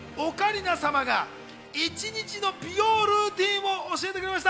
そんなオカリナ様が一日の美容ルーティンを教えてくれました。